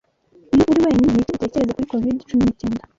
Iyo uri wenyine niki utekereza kuri covid cumi n'icyenda?